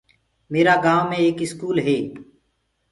ميرآ گائونٚ مي ايڪ اسڪول هي۔